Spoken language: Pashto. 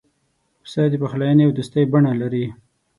پسه د پخلاینې او دوستی بڼه لري.